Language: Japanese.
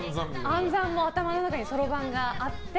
暗算も頭の中にそろばんがあって。